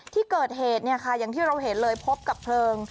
ที่เกิดเหตุอย่างที่เราเห็นเลยพบกับเพลิง